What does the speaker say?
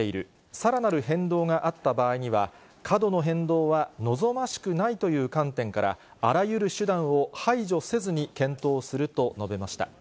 さらなる変動があった場合には、過度の変動は望ましくないという観点から、あらゆる手段を排除せずに検討すると述べました。